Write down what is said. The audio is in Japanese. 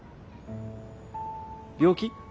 病気？